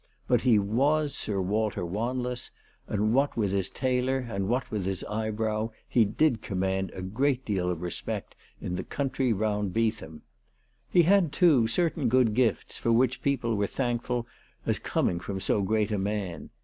But he was Sir "Walter Wanless, and what with his tailor and what with his eyebrow he did command a great deal of respect in the country round Beetham. He had, too, certain good gifts for which people were thankful as coming from so great a man.